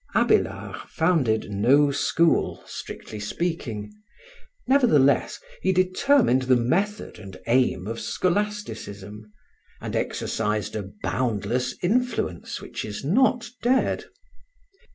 Abélard founded no school, strictly speaking; nevertheless, he determined the method and aim of Scholasticism, and exercised a boundless influence, which is not dead.